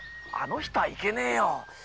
あの人はいけねえよ。